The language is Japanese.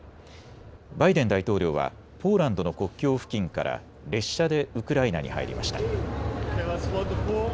バイデン大統領はポーランドの国境付近から列車でウクライナに入りました。